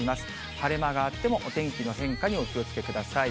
晴れ間があっても、お天気の変化にお気をつけください。